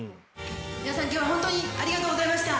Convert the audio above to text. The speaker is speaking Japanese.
皆さん今日は本当にありがとうございました。